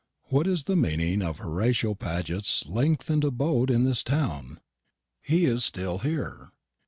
What is the meaning of Horatio Paget's lengthened abode in this town? He is still here.